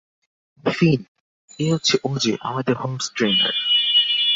ফিন, এ হচ্ছে ওজে - আমাদের হর্স ট্রেইনার।